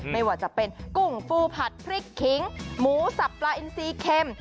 ไม่ว่าจะเป็นกุ้งปูผัดพริกขิงหมูสับปลาอินซีเข็ม